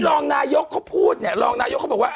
รองนายกเขาพูดเนี่ยรองนายกเขาบอกว่า